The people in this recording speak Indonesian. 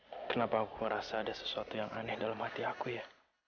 kenapa aku merasa ada sesuatu yang aneh dalam hati aku ya